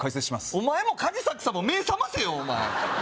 お前もカジサックさんも目覚ませよお前